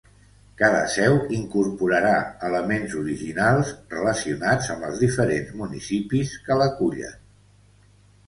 Cada seu incorporarà elements originals relacionats amb els diferents municipis que l'acullen.